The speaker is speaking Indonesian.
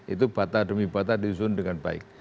itu bata demi bata disusun dengan baik